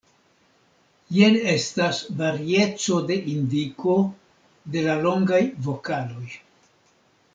Jen estas varieco de indiko de la longaj vokaloj.